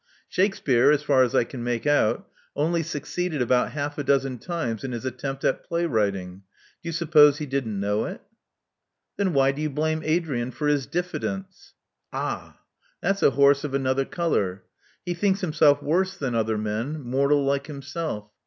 Shakspere, as far as I can make out, only succeeded about half a dozen times in his attempt at play writing. Do you suppose he didn't know it?*' Then why do you blame Adrian for his difiSdence?" Ah! that's a horse of another color. He thinks himself worse than other men, mortal like himself.